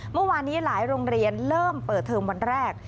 เมื่อวานนี้หลายโรงเรียนเริ่มเปิดเทอมวันแรก